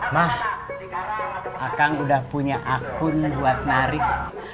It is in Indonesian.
mah akang udah punya akun buat narik